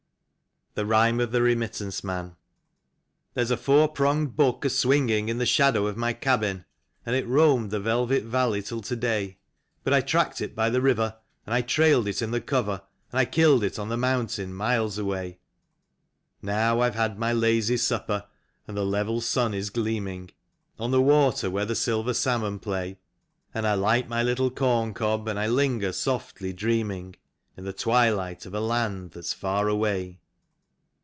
52 THE KHYME OF THE REMITTANCE MAN. There's a four pronged buck a swinging in the shadow of my cabin, And it roamed the velvet valley till to day; But I tracked it by the river, and I trailed it in the cover, And I killed it on the mountain miles away. Now I've had my lazy supper, and the level sun is gleaming On the water where the silver salmon play; And I light my little corn cob, and I linger softly dreaming, In the twilight, of a land that's far away.